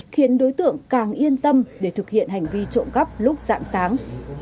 khiến đối tượng càng yên tâm để thực hiện hành vi trộn cắp lúc sạng sáng